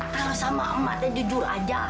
kalau sama emak ya jujur aja